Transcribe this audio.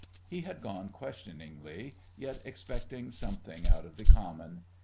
He had gone questioningly, yet expecting something out of the common.